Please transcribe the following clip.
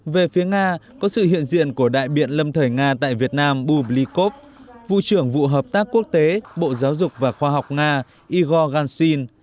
về phía nga có sự hiện diện của đại biện lâm thời nga tại việt nam bublikov vụ trưởng vụ hợp tác quốc tế bộ giáo dục và khoa học nga igor ganshin